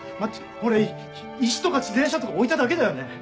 俺石とか自転車とか置いただけだよね？